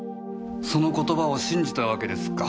その言葉を信じたわけですか。